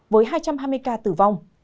với hai trăm hai mươi ca tử vong